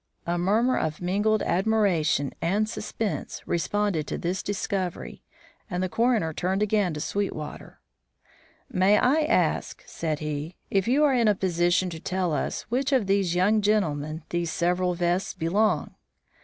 A murmur of mingled admiration and suspense responded to this discovery, and the coroner turned again to Sweetwater. "May I ask," said he, "if you are in a position to tell us to which of these young gentlemen these several vests belong?"